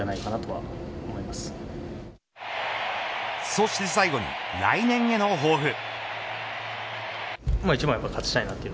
そして最後に来年への抱負。